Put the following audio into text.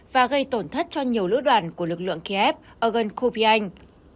và gây tổn thất cho nhiều lữ đoàn của lực lượng kiev ở gần kupyans